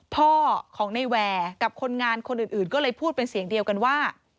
พ่อของในแวร์กับคนงานคนอื่นก็เลยพูดเป็นเสียงเดียวกันว่า